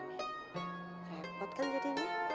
repot kan jadinya